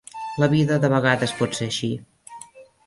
La vida de vegades pot ser així.